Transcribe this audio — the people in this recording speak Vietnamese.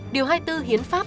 điều hai mươi bốn hiến pháp